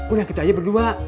udah kita aja berdua